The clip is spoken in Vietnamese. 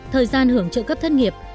thời gian hưởng trợ cấp thất nghiệp